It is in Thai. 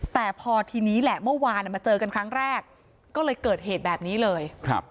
แต่พอทีนี้แหละเมื่อวานมาเจอกันครั้งแรกก็เลยเกิดเหตุแบบนี้เลย